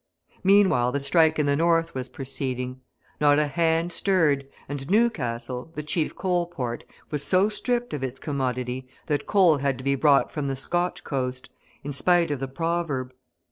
Meanwhile the strike in the North was proceeding. Not a hand stirred, and Newcastle, the chief coal port, was so stripped of its commodity that coal had to be brought from the Scotch coast, in spite of the proverb.